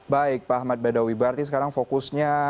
baik pak ahmad badawi barti sekarang fokusnya